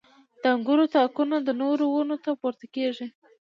• د انګورو تاکونه د نورو ونو ته پورته کېږي.